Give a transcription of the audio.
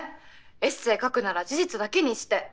エッセイ描くなら事実だけにして！